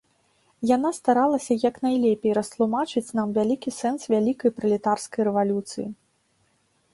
Яна старалася як найлепей растлумачыць нам вялікі сэнс вялікай пралетарскай рэвалюцыі.